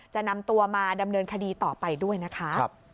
จะนำตัวมาดำเนินคดีต่อไปด้วยนะคะ